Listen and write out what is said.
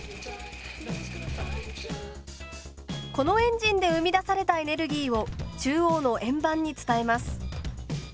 このエンジンで生み出されたエネルギーを中央の円盤に伝えます。